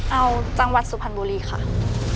เอาจังหวัดสุพรรณบุรีค่ะ